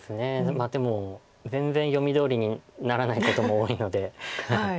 まあでも全然読みどおりにならないことも多いので。